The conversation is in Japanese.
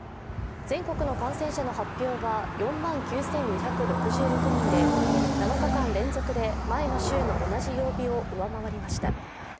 全国の感染者の発表は４万９２６６人で７日間連続で前の週の同じ曜日を上回りました。